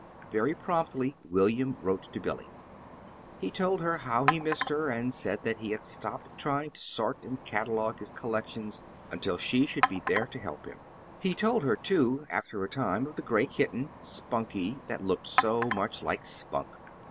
Very promptly William wrote to Billy. He told her how he missed her, and said that he had stopped trying to sort and catalogue his collections until she should be there to help him. He told her, too, after a time, of the gray kitten, "Spunkie," that looked so much like Spunk.